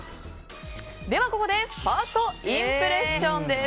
ではここでファーストインプレッションです。